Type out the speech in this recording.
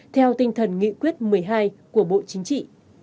theo tinh thần nghị quyết một mươi hai của bộ chính trị